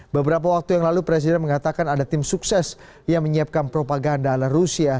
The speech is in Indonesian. beberapa waktu yang lalu presiden mengatakan ada tim sukses yang menyiapkan propaganda ala rusia